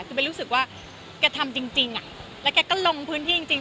คือไปรู้สึกว่าแกทำจริงแล้วแกก็ลงพื้นที่จริง